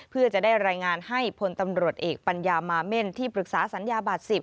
เพื่อจะได้รายงานให้พลตำรวจเอกปัญญามาเม่นที่ปรึกษาสัญญาบาท๑๐